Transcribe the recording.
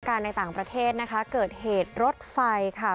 ในต่างประเทศนะคะเกิดเหตุรถไฟค่ะ